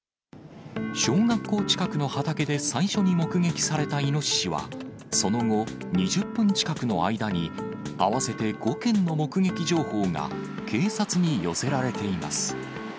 小学校近くの畑で最初に目撃されたイノシシは、その後、２０分近くの間に合わせて５件の目撃情報が警察に寄せられています。